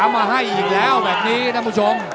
มีว่ามัก